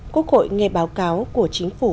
quốc hội nghe báo cáo của chính phủ